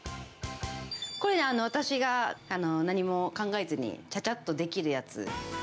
これ、私が何も考えずにちゃちゃっとできるやつ。